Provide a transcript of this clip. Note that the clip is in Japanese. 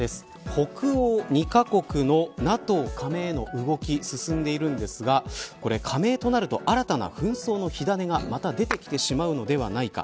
北欧２カ国のＮＡＴＯ加盟への動き進んでいるんですが加盟となると新たな紛争の火種がまた出てきてしまうのではないか。